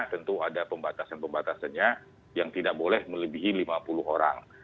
tentu ada pembatasan pembatasannya yang tidak boleh melebihi lima puluh orang